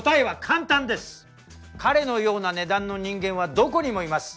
彼のような値段の人間はどこにもいます。